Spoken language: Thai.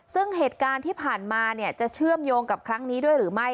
ซึ่งเหตุการณ์ที่ผ่านมาจะเชื่อมโยงกับครั้งนี้ด้วยหรือไม่